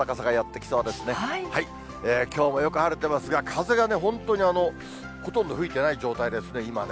きょうもよく晴れてますが、風がね、本当にほとんど吹いてない状態ですね、今ね。